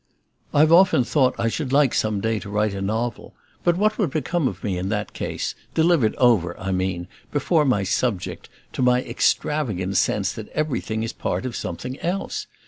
I've often thought I should like some day to write a novel; but what would become of me in that case delivered over, I mean, before my subject, to my extravagant sense that everything is a part of something else?